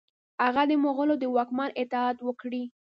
هغه د مغولو د واکمن اطاعت وکړي.